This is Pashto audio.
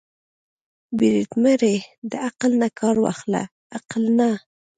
پرېده مړې د عقل نه کار واخله عقل نه.